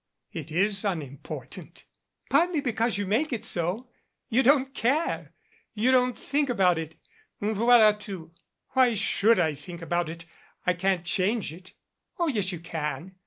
"It is unimportant " "Partly because you make it so. You don't care. You don't think about it, voila tout" "Why should I think about it? I can't change it." "Oh, yes, you can.